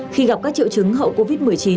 khi gặp các triệu chứng hậu covid một mươi chín